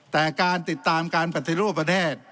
แต่การติดตามการปฏิรูปประเทศ